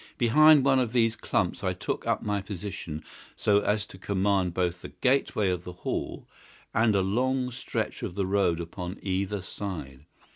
Behind one of these clumps I took up my position, so as to command both the gateway of the Hall and a long stretch of the road upon either side.